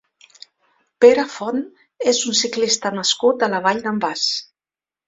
Pere Font és un ciclista nascut a la Vall d'en Bas.